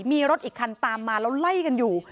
มีรถอีกคันตามมาแล้วไล่กันอยู่